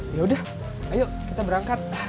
yaudah ayo kita berangkat